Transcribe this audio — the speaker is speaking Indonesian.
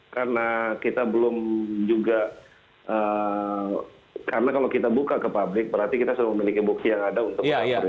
karena kita belum juga karena kalau kita buka ke publik berarti kita sudah memiliki bukti yang ada untuk